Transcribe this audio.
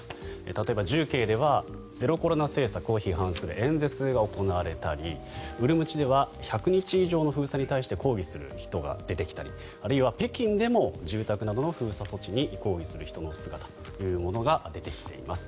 例えば重慶ではゼロコロナ政策を批判する演説が行われたりウルムチでは１００日以上の封鎖に対して抗議する人が出てきたりあるいは北京でも住宅などの封鎖する措置に抗議する人たちの姿があります。